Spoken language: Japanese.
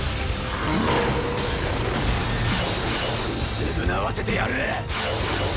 償わせてやる！！